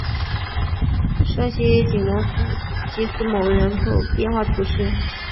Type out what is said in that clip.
圣西吉斯蒙人口变化图示